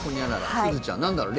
すずちゃん、なんだろう。